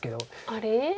あれ？